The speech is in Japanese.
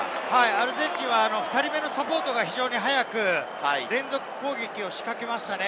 アルゼンチンは２人目のサポートが非常に速くて、連続攻撃を仕掛けましたね。